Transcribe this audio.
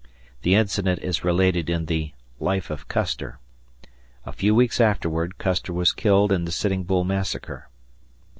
The incident is related in the "Life of Custer." A few weeks afterward Custer was killed in the Sitting Bull Massacre.